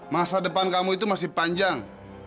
masa depan kamu itu masih panjang